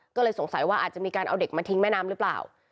ก็เลยสงสัยว่าอาจจะมีการเอาเด็กมาทิ้งแม่น้ำหรือเปล่า